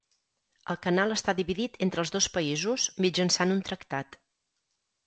El canal està dividit entre els dos països mitjançant un tractat.